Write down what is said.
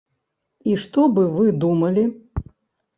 І што бы вы думалі?